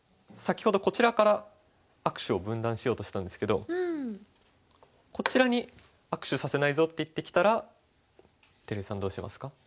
先ほどこちらから握手を分断しようとしたんですけどこちらに「握手させないぞ」って言ってきたら照井さんどうしますか？